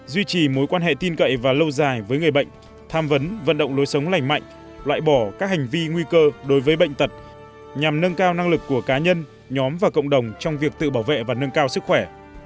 duy trì mối quan hệ tin cậy và lâu dài với người bệnh tham vấn vận động lối sống lành mạnh loại bỏ các hành vi nguy cơ đối với bệnh tật nhằm nâng cao năng lực của cá nhân nhóm và cộng đồng trong việc tự bảo vệ và nâng cao sức khỏe